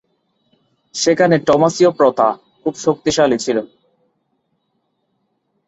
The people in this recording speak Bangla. সেখানে টমাসীয় প্রথা খুব শক্তিশালী ছিল।